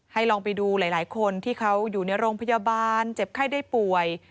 ลองไปดูหลายคนที่เขาอยู่ในโรงพยาบาลเจ็บไข้ได้ป่วย